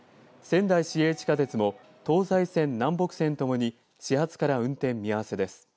仙台市営地下鉄の東西線、南北線ともに始発から運転見合わせです。